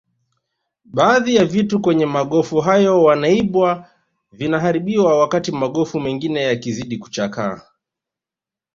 Baadhi ya vitu kwenye magofu hayo vinaibwa vinaharibiwa wakati magofu mengine yakizidi kuchakaa